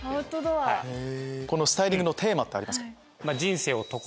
このスタイリングのテーマってありますか？